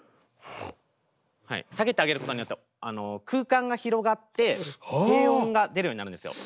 下げてあげることによって空間が広がって低音が出るようになるんですよ。